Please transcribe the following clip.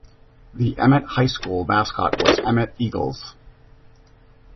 The Emmett High School mascot was Emmett Eagles.